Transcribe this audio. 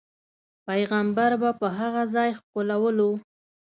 پیغمبر به په هغه ځاې ښکلو.